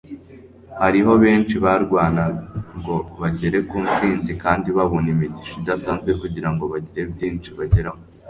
hariho benshi barwana ngo bagere ku nsinzi kandi babone imigisha idasanzwe kugira ngo bagire byinshi bageraho